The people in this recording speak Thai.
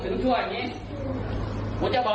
หมดเวลานะ